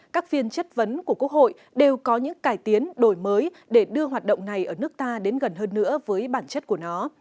các phiên chất vấn của quốc hội đều có những cải tiến đổi mới để đưa hoạt động này ở nước ta đến gần hơn nữa với bản chất của nó